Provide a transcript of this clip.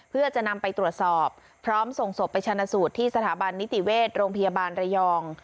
เพื่อจะนำไปตรวจสอบพร้อมส่งศพไปชนะสูตรที่สถาบันนิติเวชโรงพยาบาลระยอง